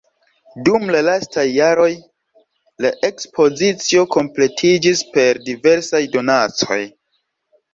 Dum la lastaj jaroj la ekspozicio kompletiĝis per diversaj donacoj.